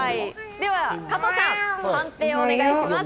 では加藤さん、判定をお願いします。